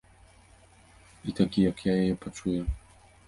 І такі, як я, яе пачуе.